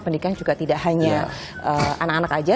pendidikan juga tidak hanya anak anak saja